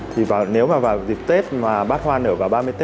thì nếu mà vào dịp tết mà bát hoa nở vào ba mươi tết